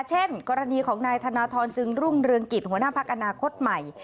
เช่นกรณีของนายธนทรจึงรุ่งเรืองกิจหัวหน้าพักอนาคตใหม่